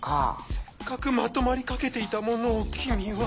せっかくまとまりかけていたものをキミは。